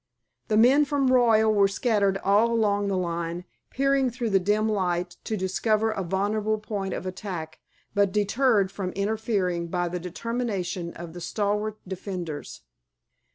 The men from Royal were scattered all along the line, peering through the dim light to discover a vulnerable point of attack but deterred from interfering by the determination of the stalwart defenders.